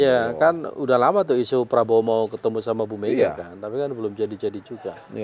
iya kan udah lama tuh isu prabowo mau ketemu sama bu mega kan tapi kan belum jadi jadi juga